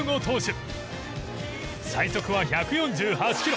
最速は１４８キロ。